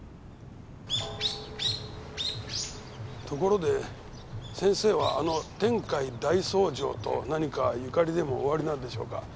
ところで先生はあの天海大僧正と何か縁でもおありなんでしょうか？